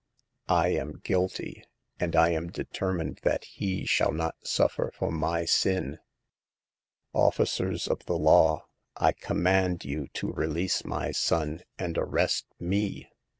I am guilty, and I am determined that he shall not suffer for my sin. Officers of the law, I command you to release my son and arrest me.